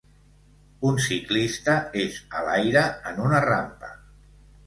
Un ciclista és a l'aire en una rampa